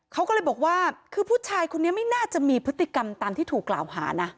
เขาก็เลยบอกว่าคือผู้ชายคนนี้ไม่น่าจะมีพฤติกรรมตามที่ถูกกล่าวหานะ